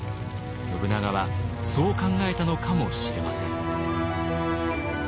信長はそう考えたのかもしれません。